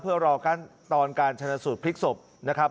เพื่อรอขั้นตอนการชนะสูตรพลิกศพนะครับ